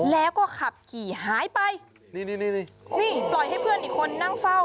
แล้วก็ขับขี่หายไปนี่นี่ปล่อยให้เพื่อนอีกคนนั่งเฝ้า